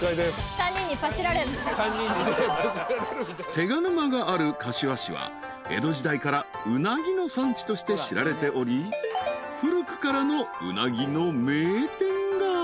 ［手賀沼がある柏市は江戸時代からうなぎの産地として知られており古くからのうなぎの名店が］